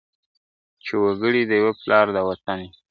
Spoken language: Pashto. چي وګړي د یوه پلار د وطن یو ..